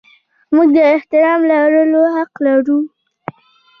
موږ د احترام لرلو حق لرو.